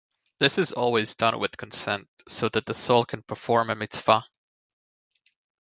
This is always done with consent, so that the soul can perform a mitzvah.